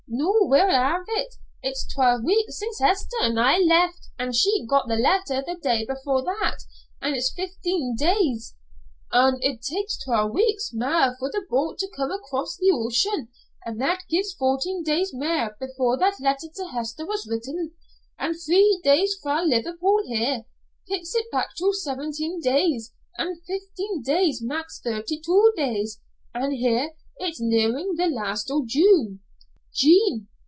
Noo we'll ha'e it. It's twa weeks since Hester an' I left an' she got the letter the day before that, an' that's fifteen days " "An' it takes twa weeks mair for a boat to cross the ocean, an' that gives fourteen days mair before that letter to Hester was written, an' three days fra' Liverpool here, pits it back to seventeen days, an' fifteen days mak's thirty two days, an' here' it's nearin' the last o' June " "Jean!